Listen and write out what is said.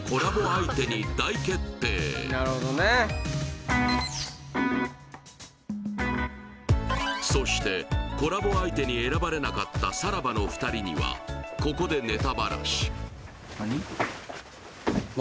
相手に大決定そしてコラボ相手に選ばれなかったさらばの２人にはここで何？